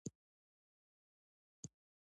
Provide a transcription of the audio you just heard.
تنور د پخوا زمانې یاد راژوندي کوي